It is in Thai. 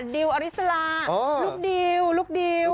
ดิวอริสลาลูกดิวลูกดิว